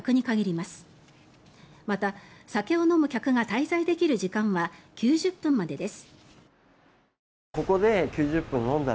また、酒を飲む客が滞在できる時間は９０分までです。